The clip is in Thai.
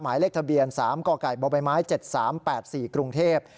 หมายเลขทะเบียน๓กกบไม้๗๓๘๔กรุงเทพฯ